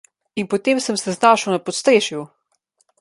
In potem sem se znašel na podstrešju!